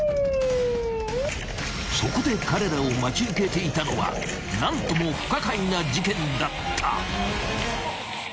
［そこで彼らを待ち受けていたのは何とも不可解な事件だった］